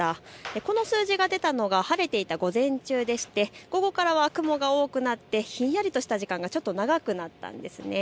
この数字が出たのは晴れていた午前中でして午後からは雲が多くなってひんやりとした時間がちょっと長くなったんです。